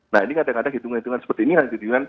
nah ini kadang kadang hitung hitungan seperti inilah